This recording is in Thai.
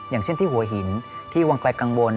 อย่างเช่นที่หัวหินที่วังไกลกังวล